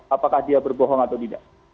apakah dia berbohong atau tidak